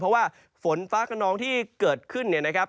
เพราะว่าฝนฟ้ากระนองที่เกิดขึ้นเนี่ยนะครับ